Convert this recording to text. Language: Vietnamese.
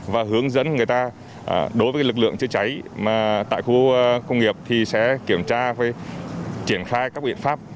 và hướng dẫn người ta đối với lực lượng chữa cháy tại khu công nghiệp thì sẽ kiểm tra triển khai các biện pháp